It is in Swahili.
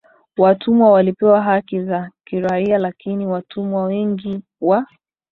watumwa walipewa haki za kiraia Lakini watumwa wengi wa